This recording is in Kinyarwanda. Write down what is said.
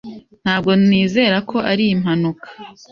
Ntabwo nizera ko ari impanuka.